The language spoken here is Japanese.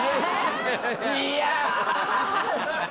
いや！